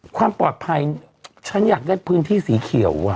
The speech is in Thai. ความปลอดภัยฉันอยากได้พื้นที่สีเขียว